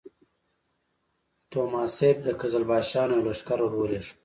تهماسب د قزلباشانو یو لښکر ورولېږه.